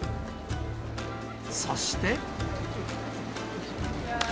そして。